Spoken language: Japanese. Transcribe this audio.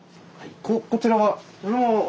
こちらは？